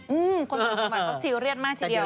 คนต่างจังหวัดเขาซีเรียสมากทีเดียว